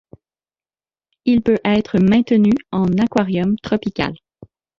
Il peut être maintenu en aquarium tropical.